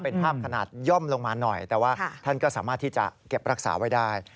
เป็นภาพขนาดย่อมลงมาหน่อยแต่ว่าท่านก็สามารถที่จะเก็บรักษาไว้ได้